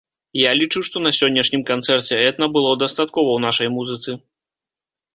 Я лічу, што на сённяшнім канцэрце этна было дастаткова ў нашай музыцы.